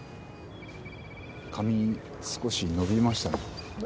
髪少し伸びましたね。